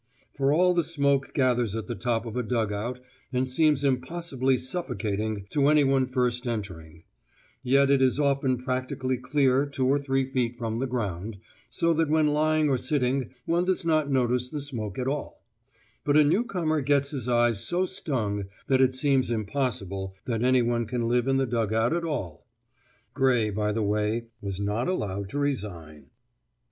For all the smoke gathers at the top of a dug out and seems impossibly suffocating to anyone first entering; yet it is often practically clear two or three feet from the ground, so that when lying or sitting one does not notice the smoke at all; but a new comer gets his eyes so stung that it seems impossible that anyone can live in the dug out at all! (Gray, by the way, was not allowed to resign.)"